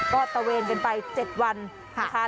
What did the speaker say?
ก็ตะเวนเป็นไป๗วันค่ะ